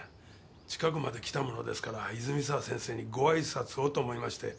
近くまで来たものですから泉沢先生にごあいさつをと思いまして。